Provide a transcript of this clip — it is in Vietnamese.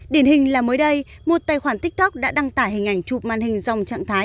điển hình là mới đây một tài khoản tiktok đã đăng tải hình ảnh chụp màn hình dòng trạng thái